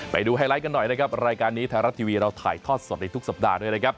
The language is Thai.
ไฮไลท์กันหน่อยนะครับรายการนี้ไทยรัฐทีวีเราถ่ายทอดสดในทุกสัปดาห์ด้วยนะครับ